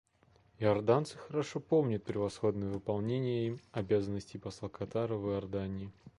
Иорданцы хорошо помнят превосходное выполнение им обязанностей посла Катара в Иордании.